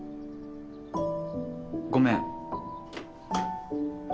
ごめん。